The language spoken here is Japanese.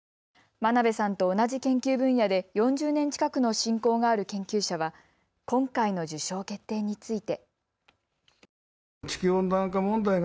真鍋さんと同じ研究分野で４０年近くの親交がある研究者は今回の受賞決定について。